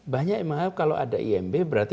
banyak yang menganggap kalau ada imb berarti